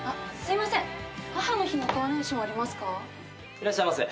いらっしゃいませ。